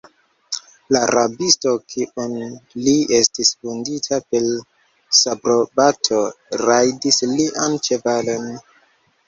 La rabisto, kiun li estis vundinta per sabrobato, rajdis lian ĉevalon.